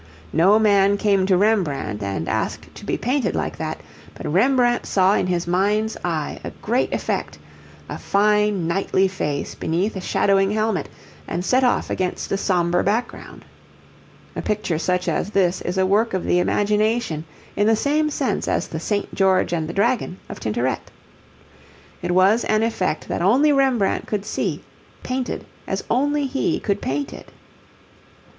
No man came to Rembrandt and asked to be painted like that; but Rembrandt saw in his mind's eye a great effect a fine knightly face beneath a shadowing helmet and set off against a sombre background. A picture such as this is a work of the imagination in the same sense as the 'Saint George and the Dragon' of Tintoret. It was an effect that only Rembrandt could see, painted as only he could paint it.